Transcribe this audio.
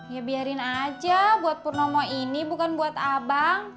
ya biarin aja buat purnomo ini bukan buat abang